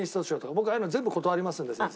僕ああいうの全部断りますんで先生。